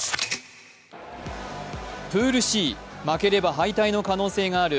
プールＣ、負ければ敗退の可能性がある